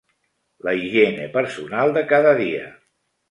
La higiene personal de cada dia.